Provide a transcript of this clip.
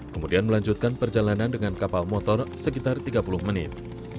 kemudian melanjutkan perjalanan dengan kapal motor sekitar tiga puluh menit